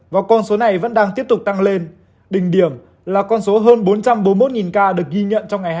và con số này vẫn đang tiếp tục tăng lên đỉnh điểm là con số hơn bốn trăm bốn mươi một ca được ghi nhận trong ngày hai mươi